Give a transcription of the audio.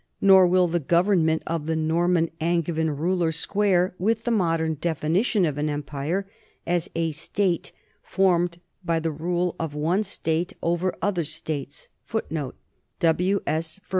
Nor will the government of the Norman An gevin ruler square with the modern definition of an em pire as "a state formed by the rule of one state over other states."